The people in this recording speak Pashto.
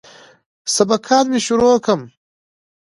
سبقان مې شروع کم.